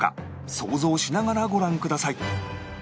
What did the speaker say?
想像しながらご覧ください